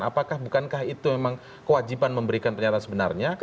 apakah bukankah itu memang kewajiban memberikan pernyataan sebenarnya